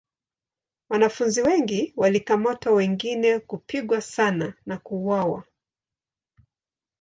Wanafunzi wengi walikamatwa wengine kupigwa sana na kuuawa.